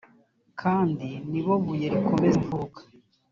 kandi ni bo buye rikomeza impfuruka